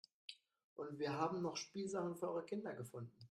Und wir haben noch Spielsachen für eure Kinder gefunden.